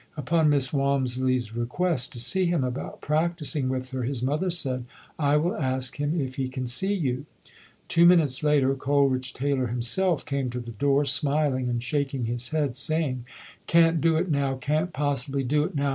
Upon Miss 144 ] UNSUNG HEROES Walmisley's request to see him about practicing with her, his mother said, "I will ask him if he can see you". Two minutes later Coleridge Taylor himself came to the door smiling and shaking his head, saying, "Can't do it now, can't possibly do it now.